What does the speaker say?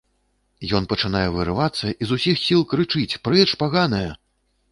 Ён пачынае вырывацца i з усiх сiл крычыць: "Прэч, паганая!